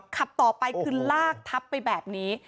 ขับต่อไปคือลากทับไปแบบนี้